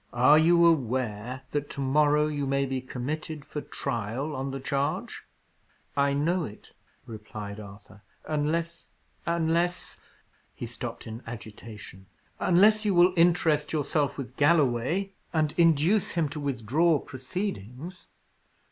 "Are you aware that to morrow you may be committed for trial on the charge?" "I know it," replied Arthur. "Unless unless " he stopped in agitation. "Unless you will interest yourself with Galloway, and induce him to withdraw proceedings.